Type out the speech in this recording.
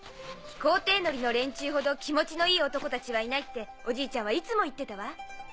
飛行艇乗りの連中ほど気持ちのいい男たちはいないっておじいちゃんはいつも言ってたわ。